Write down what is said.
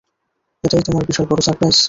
এটাই তোমার বিশাল বড় সারপ্রাইজ?